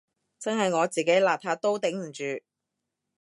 真係我自己邋遢都頂唔住